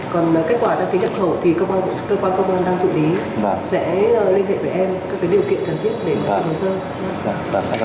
cậu mới cần kết quả bản giấy nữa